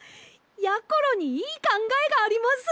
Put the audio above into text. やころにいいかんがえがあります！